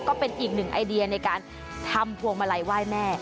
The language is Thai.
ก็เป็นอีกหนึ่งไอเดียในการทำพวงมาลัยไหว้แม่